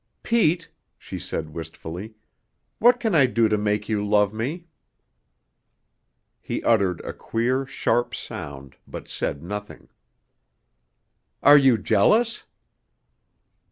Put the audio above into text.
"Pete," she said wistfully, "what can I do to make you love me?" He uttered a queer, sharp sound, but said nothing. "Are you jealous?"